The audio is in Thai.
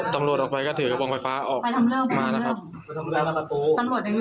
ตำรวจออกไปก็ถือกระบองไฟฟ้าออกมานะครับ